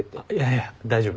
いや大丈夫。